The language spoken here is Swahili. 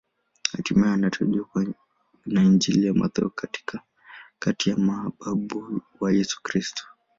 Hatimaye anatajwa na Injili ya Mathayo kati ya mababu wa Yesu Kristo.